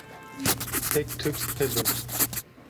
tek tuk hebûn